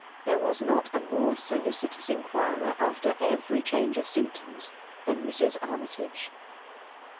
There was not a more solicitous inquirer after eveiy change (^symptoms than Mrs. Armytage.